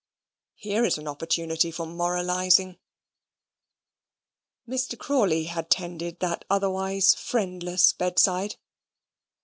Here is an opportunity for moralising! Mr. Crawley had tended that otherwise friendless bedside.